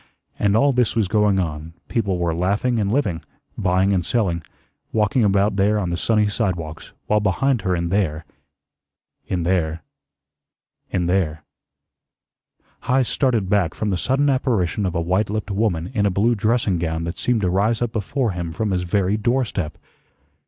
And all this was going on, people were laughing and living, buying and selling, walking about out there on the sunny sidewalks, while behind her in there in there in there Heise started back from the sudden apparition of a white lipped woman in a blue dressing gown that seemed to rise up before him from his very doorstep.